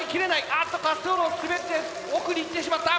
あっと滑走路を滑って奥に行ってしまった。